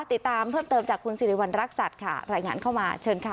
ติดตามเพิ่มเติมจากคุณสิริวัณรักษัตริย์ค่ะรายงานเข้ามาเชิญค่ะ